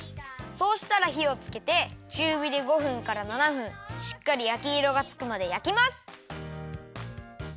そうしたらひをつけてちゅうびで５分から７分しっかりやきいろがつくまでやきます。